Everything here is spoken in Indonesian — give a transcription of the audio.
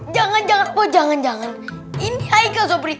jangan jangan jangan jangan ini hai kau